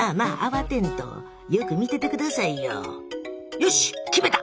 よし決めた！